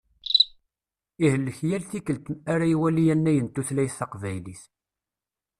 Ihellek yal tikelt ara iwali annay n tutlayt taqbaylit.